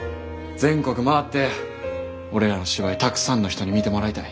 全国回って俺らの芝居たくさんの人に見てもらいたい。